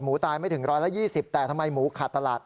ตายไม่ถึง๑๒๐แต่ทำไมหมูขาดตลาด